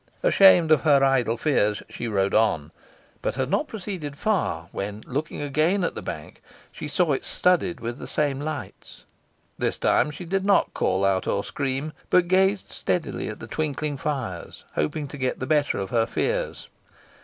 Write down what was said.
Ashamed of her idle fears she rode on, but had not proceeded far, when, looking again at the bank, she saw it studded with the same lights. This time she did not call out or scream, but gazed steadily at the twinkling fires, hoping to get the better of her fears.